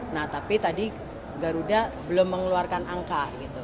nah tapi tadi garuda belum mengeluarkan angka gitu